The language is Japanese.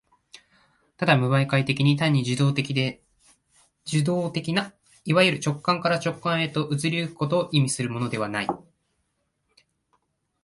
ただ無媒介的に、単に受働的ないわゆる直観から直観へと移り行くことを意味するのではない。